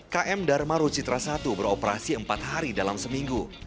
km dharma rucitra i beroperasi empat hari dalam seminggu